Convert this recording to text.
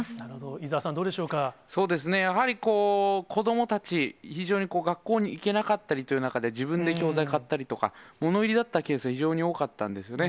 伊沢さん、どうでそうですね、やはり、子どもたち、非常に、学校に行けなかったりというような中で、自分で教材買ったりとか、物入りだったケースが非常に多かったんですよね。